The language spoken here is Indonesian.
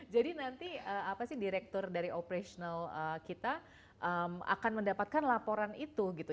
jadi nanti apa sih direktur dari operational kita akan mendapatkan laporan itu gitu